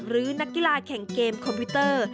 นักกีฬาแข่งเกมคอมพิวเตอร์